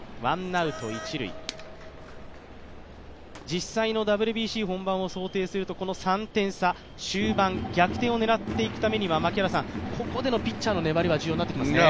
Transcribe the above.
実際のＷＢＣ本番を想定するとこの３点差終盤、逆転を狙っていくためにはここでのピッチャーの粘りは重要になってきますね。